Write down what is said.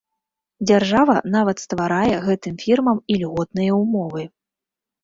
Дзяржава нават стварае гэтым фірмам ільготныя ўмовы.